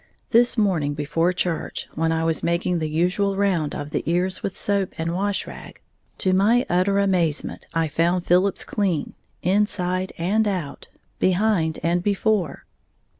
This morning before church, when I was making the usual round of the ears with soap and wash rag, to my utter amazement I found Philip's clean, inside and out, behind and before.